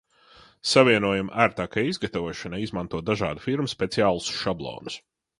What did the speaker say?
Savienojuma ērtākai izgatavošanai izmanto dažādu firmu speciālus šablonus.